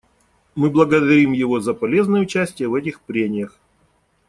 Мы благодарим его за полезное участие в этих прениях.